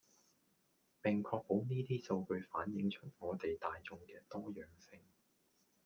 並確保呢啲數據反映出我地大衆既多樣性